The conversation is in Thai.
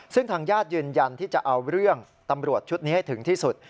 ซึ่งทางญาติยืนยันที่จะเอาเรื่องตำรวจชุดนี้ให้ถึงที่สุด